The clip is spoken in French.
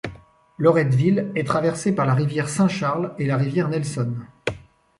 Loretteville est traversée par la rivière Saint-Charles et la rivière Nelson.